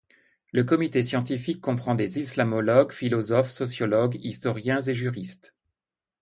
Le comité scientifique comprend des islamologues, philosophes, sociologues, historiens et juristes.